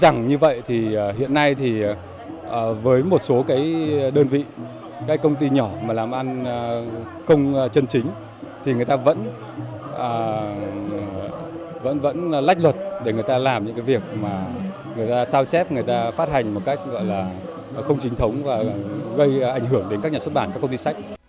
như vậy thì hiện nay thì với một số cái đơn vị cái công ty nhỏ mà làm ăn công chân chính thì người ta vẫn lách luật để người ta làm những cái việc mà người ta sao xếp người ta phát hành một cách gọi là không chính thống và gây ảnh hưởng đến các nhà xuất bản các công ty sách